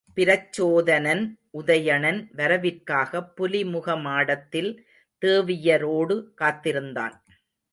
பிரச்சோதனன் உதயணன் வரவிற்காகப் புலிமுக மாடத்தில் தேவியரோடு காத்திருந்தான்.